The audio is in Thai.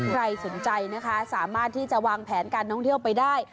ใครสนใจนะคะสามารถที่จะวางแผนการท่องเที่ยวไปได้